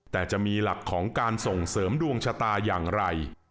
แต่จะมีหลักของการส่งเสริมดวงชะตาอย่างไร